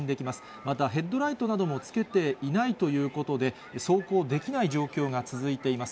またヘッドライトなどもつけていないということで、走行できない状況が続いています。